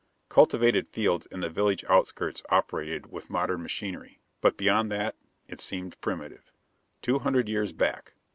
Cultivated fields in the village outskirts operated with modern machinery. But beyond that, it seemed primitive. Two hundred years back.